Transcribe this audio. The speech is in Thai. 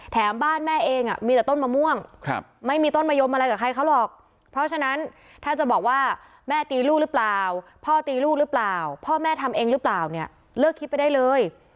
บ้านแม่เองมีแต่ต้นมะม่วงไม่มีต้นมะยมอะไรกับใครเขาหรอกเพราะฉะนั้นถ้าจะบอกว่าแม่ตีลูกหรือเปล่าพ่อตีลูกหรือเปล่าพ่อแม่ทำเองหรือเปล่าเนี่ยเลิกคิดไปได้เลย